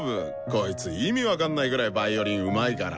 こいつ意味分かんないぐらいヴァイオリンうまいから。